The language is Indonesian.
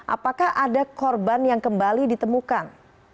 apakah ada korban yang kembali ditemukan